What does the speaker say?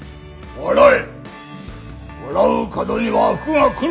笑え！